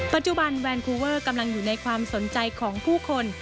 ปัจจุบันแวนคูเวอร์กำลังอยู่ในความสนใจของผู้คน